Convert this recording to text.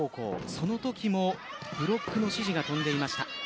そのときもブロックの指示が飛んでいました。